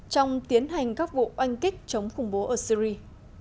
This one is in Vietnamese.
trong tiến hành các vụ oanh kích chống khủng bố ở syri